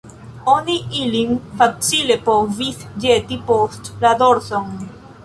Oni ilin facile povis ĵeti post la dorson.